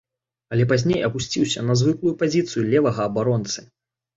Але пазней апусціўся на звыклую пазіцыю левага абаронцы.